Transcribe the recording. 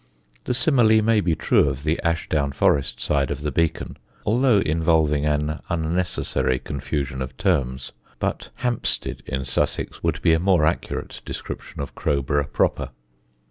The simile may be true of the Ashdown Forest side of the Beacon (although involving an unnecessary confusion of terms), but "Hampstead in Sussex" would be a more accurate description of Crowborough proper.